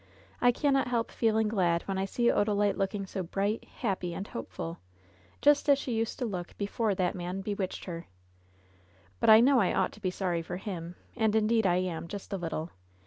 I cannot help feeling glad when I see Odalite looking so bright, happy and hopeful, just as she used to look before liat man be witched her. But I know I ought to be sorry for him, and indeed I am, just a little.